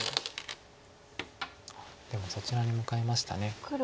でもそちらに向かいました。